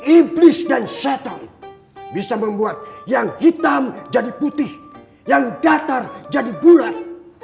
iblis dan shuttle bisa membuat yang hitam jadi putih yang datar jadi bulat